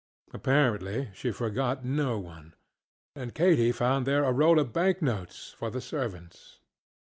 Apparently she forgot no one. And Katy found there a roll of bank notes, for the servants.